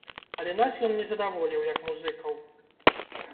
Але нас ён не задаволіў як музыкаў.